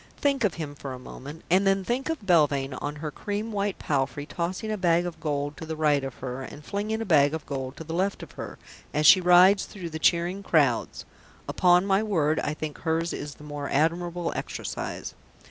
Think of him for a moment, and then think of Belvane on her cream white palfrey tossing a bag of gold to right of her and flinging a bag of gold to left of her, as she rides through the cheering crowds; upon my word I think hers is the more admirable exercise.